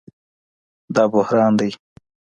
دا بحران دئ